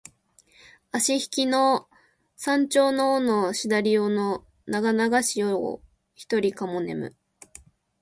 あしひきの山鳥の尾のしだり尾のながながし夜をひとりかも寝む